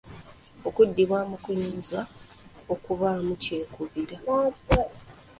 Okuddibwamu kuyinza okubaamu kyekubiira.